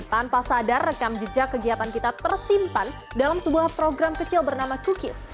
tanpa sadar rekam jejak kegiatan kita tersimpan dalam sebuah program kecil bernama cookies